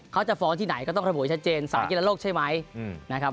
เขาจะฟ้องที่ไหนก็ต้องระบุให้ชัดเจนสายกีฬาโลกใช่ไหมนะครับ